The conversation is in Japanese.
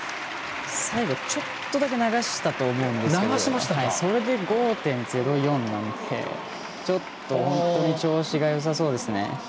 最後、ちょっとだけ流したと思うんですけどそれで、５．０４なのでちょっと本当に調子がよさそうですね。